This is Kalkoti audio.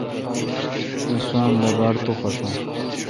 مہ سوام دا باڑ تو خوشون۔